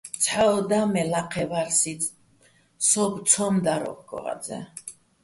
ცჰ̦ა ო და მე́, ლაჴეჼ ვარ სიძ, სოუბო̆ ცო́მ დარ ო́ჴგო ღაზეჼ.